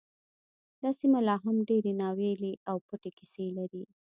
دا سیمه لا هم ډیرې ناوییلې او پټې کیسې لري